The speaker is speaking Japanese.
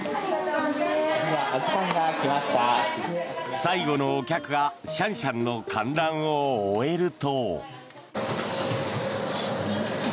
最後のお客がシャンシャンの観覧を終えると。